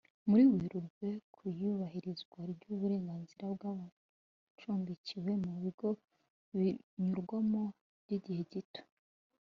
muri werurwe ku iyubahirizwa ry uburenganzira bw abacumbikiwe mu bigo binyurwamo by igihe gito